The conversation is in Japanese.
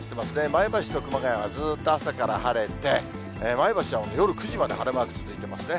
前橋と熊谷は、ずっと朝から晴れて、前橋は夜９時まで晴れマーク続いてますね。